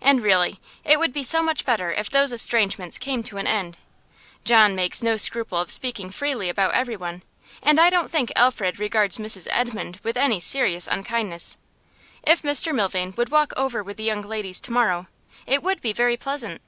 And, really, it would be so much better if those estrangements came to an end. John makes no scruple of speaking freely about everyone, and I don't think Alfred regards Mrs Edmund with any serious unkindness. If Mr Milvain would walk over with the young ladies to morrow, it would be very pleasant.